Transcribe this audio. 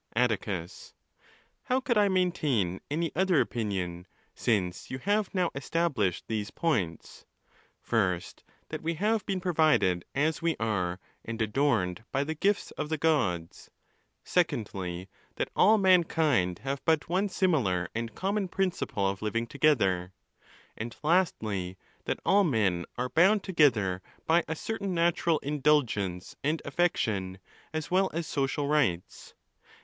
Atticus ——How could I maintain any other opinion, since you have now established these points —first, that we have been provided as we are and adorned by the gifts of the Gods; secondly, that all mankind have but one similar and common principle of living together; and, lastly, that all men are bound together by a certain natural indulgence and affection, as well as social rights?